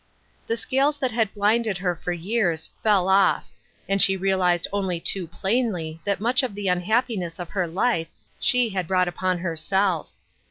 The scales that had blinded her for years fell off, and she realized only too plainly that much of the unhappiness of her life she had brought upon herself.